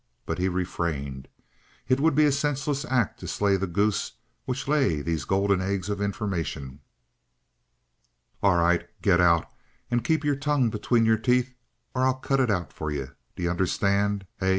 But he refrained. It would be a senseless act to slay the goose which lay these golden eggs of information. "All right. Get out! And keep your tongue between your teeth, or I'll cut it out for you! Do you understand? Hey?"